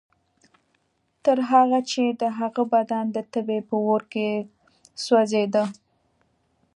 تر هغې چې د هغه بدن د تبې په اور کې سوځېده.